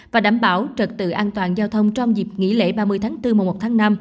và đảm bảo trật tự an toàn giao thông trong dịp nghỉ lễ ba mươi tháng bốn mùa một tháng năm